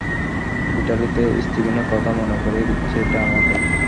ইটালিতে স্টিভেনের কথা মনে করিয়ে দিচ্ছে এটা আমাকে।